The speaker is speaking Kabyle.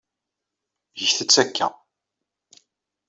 Get-t akka.